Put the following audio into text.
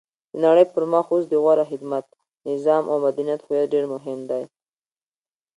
د نړۍ پرمخ اوس د غوره خدمت، نظام او مدنیت هویت ډېر مهم دی.